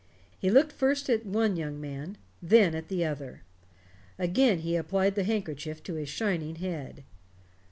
He looked first at one young man, then at the other. Again he applied the handkerchief to his shining head.